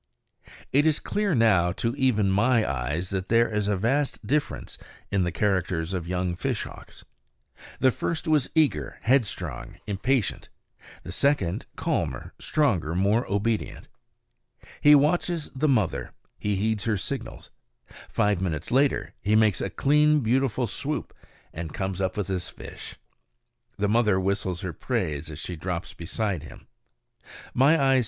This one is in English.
It is clear now to even my eyes that there is a vast difference in the characters of young fishhawks. The first was eager, headstrong, impatient; the second is calmer, stronger, more obedient. He watches the mother; he heeds her signals. Five minutes later he makes a clean, beautiful swoop and comes up with his fish. The mother whistles her praise as she drops beside him.